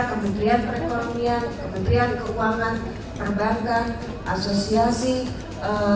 kementerian perekonomian kementerian keuangan perbankan asosiasi pemerintah kavisi indonesia